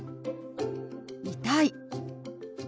「痛い」。